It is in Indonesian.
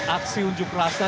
aksi unjuk rasa